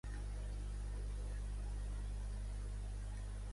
Va a veure l’abadessa del convent de son Sant Joan, com l'aeroport.